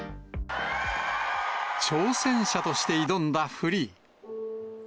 挑戦者として挑んだフリー。